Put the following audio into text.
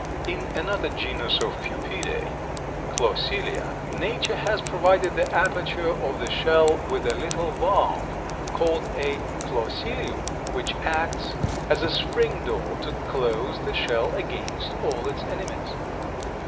In another genus of Pupidae, Clausilia, nature has provided the aperture of the shell with a little valve called a "clausilium," which acts as a spring door to close the shell against all its enemies.